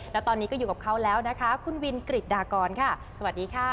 แล้วตอนนี้ก็อยู่กับเขาแล้วนะคะคุณวินกริจดากรค่ะสวัสดีค่ะ